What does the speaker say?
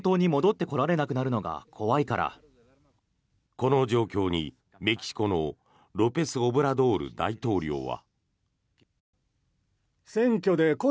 この状況にメキシコのロペスオブラドール大統領は。